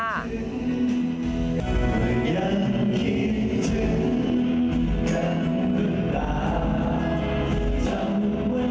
มีกันหรือเปล่าจำวันนั้นของเราได้อยู่ไหม